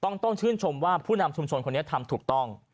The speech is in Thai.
ต้องชื่นชมว่าผู้นำชุมชนคนนี้ทำถูกต้อง